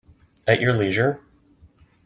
At your leisure.